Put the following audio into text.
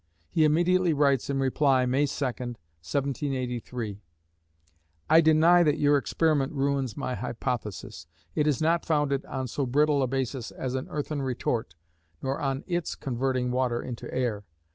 He immediately writes in reply May 2, 1783: I deny that your experiment ruins my hypothesis. It is not founded on so brittle a basis as an earthen retort, nor on its converting water into air.